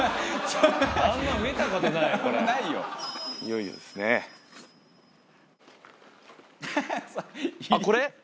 いよいよですねあっこれ？